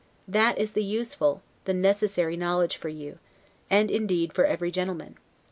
That is the useful, the necessary knowledge for you, and indeed for every gentleman.